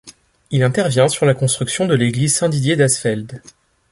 Il intervient sur la construction de l'église Saint-Didier d'Asfeld.